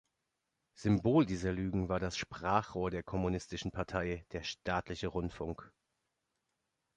Symbol dieser Lügen war das Sprachrohr der Kommunistischen Partei, der staatliche Rundfunk.